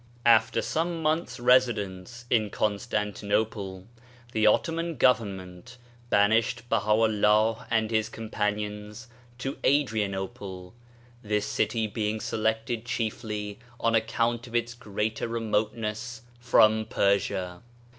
After some months' residence in Constanti nople, the Ottoman Government banished Baha'u'llah and his companions to Adrianople — this city being selected chiefly on account of its greater remoteness from Persia.